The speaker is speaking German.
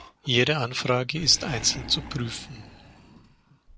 Jede Anfrage ist einzeln zu prüfen.